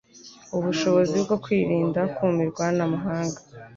ubushobozi bwo kwirinda kumirwa n'amahanga,